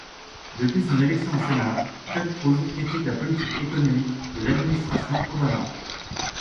Depuis son élection au Sénat, Ted Cruz critique la politique économique de l'administration Obama.